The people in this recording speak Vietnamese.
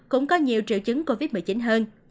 cũng có nhiều triệu chứng covid một mươi chín hơn